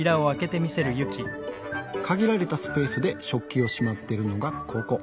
限られたスペースで食器をしまってるのがここ。